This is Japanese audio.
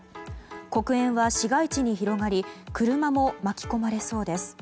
黒煙は市街地に広がり車も巻き込まれそうです。